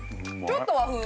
ちょっと和風。